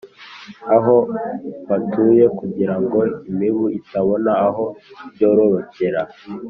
aho batuye kugirango imibu itabona aho yororokera.